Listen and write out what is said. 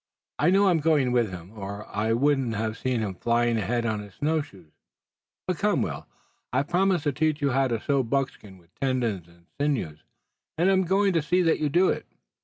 "I know I'm going with him or I wouldn't have seen him flying ahead on his snow shoes. But come, Will, I've promised to teach you how to sew buckskin with tendons and sinews, and I'm going to see that you do it."